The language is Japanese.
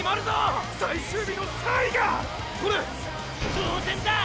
当然だ！